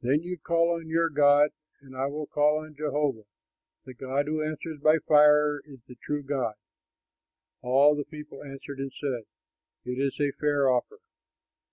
Then you call on your god and I will call on Jehovah. The god who answers by fire is the true God." All the people answered and said, "It is a fair offer."